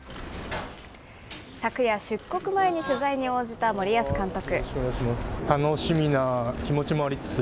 昨夜、出国前に取材に応じた森保監督。